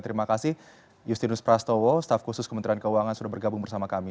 terima kasih justinus prastowo staf khusus kementerian keuangan sudah bergabung bersama kami